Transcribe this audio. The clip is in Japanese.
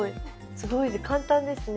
すごい簡単ですね。